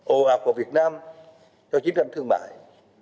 ồ ạc vào việt nam cho chiến tranh thương mại